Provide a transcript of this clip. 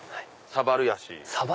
サバルヤシ。